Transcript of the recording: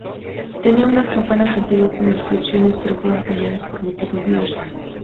Tenía unas campanas antiguas con inscripciones, pero fueron cambiadas por motivos diversos.